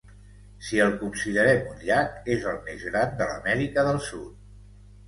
Si el considerem un llac, és el més gran de l'Amèrica del Sud.